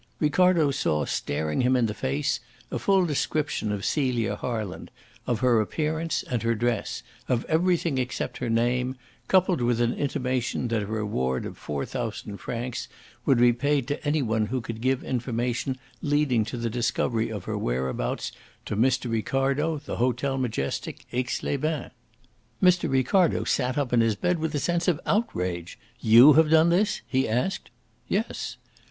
Ricardo saw staring him in the face a full description of Celia Harland, of her appearance and her dress, of everything except her name, coupled with an intimation that a reward of four thousand francs would be paid to any one who could give information leading to the discovery of her whereabouts to Mr. Ricardo, the Hotel Majestic, Aix les Bains! Mr. Ricardo sat up in his bed with a sense of outrage. "You have done this?" he asked. "Yes."